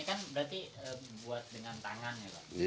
ini kan berarti buat dengan tangan ya pak